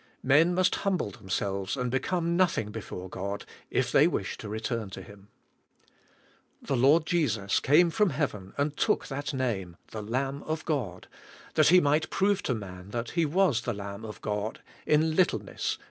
Men must humble themselves and become nothing before God if they wish to return to Him. The Lord Jesus came from heaven and took that name — the Lamb of God — that He might froze to man He was the Lamb of God in littleness.